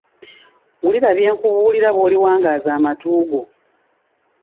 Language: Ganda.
Wulira bye nkubuulira lw’oliwangaaza amatu go